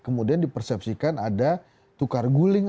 kemudian dipersepsikan ada tukar guling